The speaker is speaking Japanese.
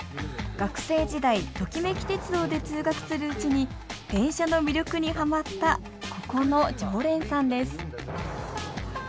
学生時代トキめき鉄道で通学するうちに電車の魅力にはまったここの常連さんです